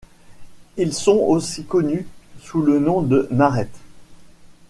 Ils sont aussi connus sous le nom de marrette.